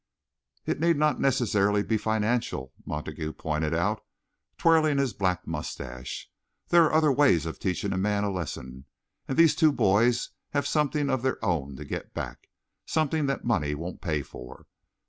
"It need not necessarily be financial," Montague pointed out, twirling his black moustache. "There are other ways of teaching a man a lesson, and these two boys have something of their own to get back, something that money won't pay for.